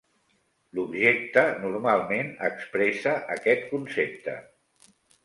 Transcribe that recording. L'objecte normalment expressa aquest concepte.